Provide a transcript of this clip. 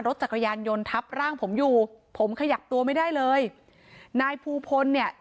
รถจักรยานยนต์ทับร่างผมอยู่ผมขยับตัวไม่ได้เลยนายภูพลเนี่ย